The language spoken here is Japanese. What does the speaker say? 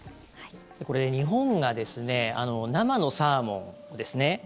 これは日本が生のサーモンですね